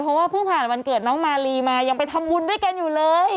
เพราะว่าเพิ่งผ่านวันเกิดน้องมาลีมายังไปทำบุญด้วยกันอยู่เลย